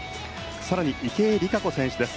更に池江璃花子選手です。